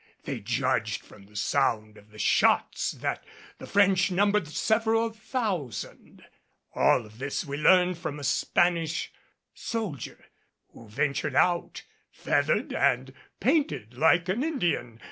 They judged from the sound of the shots that the French numbered several thousand. All of this we learned from a Spanish soldier who ventured out, feathered and painted like an Indian.